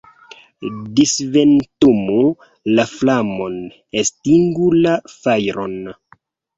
Disventumu la flamon, estingu la fajron!